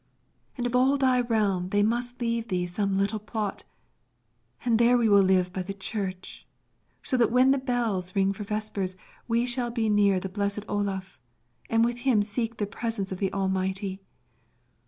And of all thy realm they must leave thee some little plot, and there we will live by the church, so that when the bells ring for vespers we shall be near the blessed Olaf, and with him seek the presence of the Almighty.